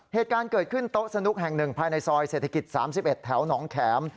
เหตุการณ์เกิดขึ้นโต๊ะสนุกแห่ง๑ภายในซอยเศรษฐกิจ๓๑แถวหนองแข็ม